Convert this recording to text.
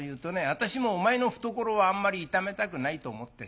私もお前の懐をあんまり痛めたくないと思ってさ